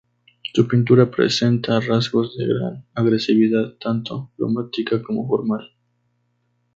Su pintura presenta rasgos de gran agresividad, tanto cromática como formal.